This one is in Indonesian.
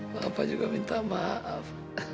papa juga minta maaf